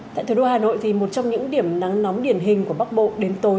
tại thủ đô hà nội một trong những điểm nắng nóng điển hình của bắc bộ đến tối